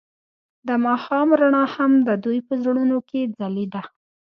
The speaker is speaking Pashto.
د ماښام رڼا هم د دوی په زړونو کې ځلېده.